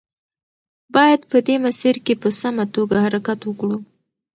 باید په دې مسیر کې په سمه توګه حرکت وکړو.